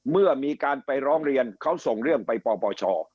เมื่อมีการไปร้องเรียนเขาส่งเรื่องไปปปช